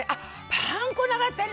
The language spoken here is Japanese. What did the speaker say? パン粉なかったね。